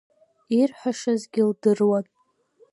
Ирҳәашазгьы лдыруан…